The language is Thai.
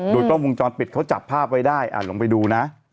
โดยกล้องวงจรปิดเขาจับภาพไว้ได้ลองไปดูนะ